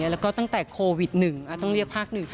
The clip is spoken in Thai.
แล้วก็ตั้งแต่โควิด๑ต้องเรียกภาค๑